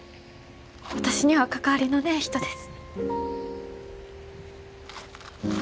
私には関わりのねえ人です。